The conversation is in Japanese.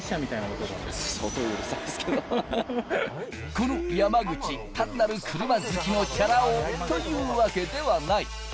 この山口、単なる車好きのチャラ男というわけではない。